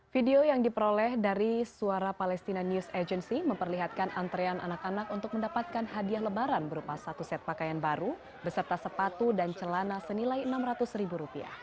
video yang diperoleh dari suara palestina news agency memperlihatkan antrean anak anak untuk mendapatkan hadiah lebaran berupa satu set pakaian baru beserta sepatu dan celana senilai rp enam ratus